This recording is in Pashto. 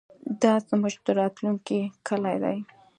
دا زموږ د راتلونکي کلي ده.